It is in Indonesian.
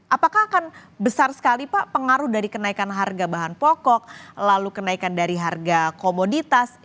apakah akan besar sekali pak pengaruh dari kenaikan harga bahan pokok lalu kenaikan dari harga komoditas